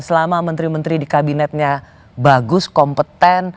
selama menteri menteri di kabinetnya bagus kompeten